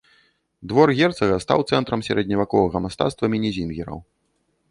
Двор герцага стаў цэнтрам сярэдневяковага мастацтва мінезінгераў.